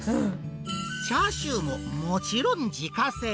チャーシューももちろん自家製。